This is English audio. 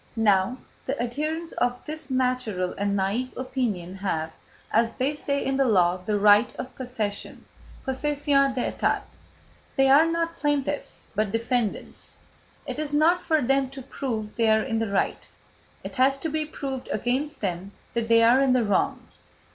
Now, the adherents of this natural and naïve opinion have, as they say in the law, the right of possession (possession d'état); they are not plaintiffs but defendants; it is not for them to prove they are in the right, it has to be proved against them that they are in the wrong.